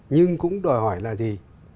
nhưng cũng đòi hỏi là gì